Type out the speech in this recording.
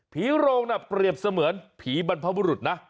โรงน่ะเปรียบเสมือนผีบรรพบุรุษนะ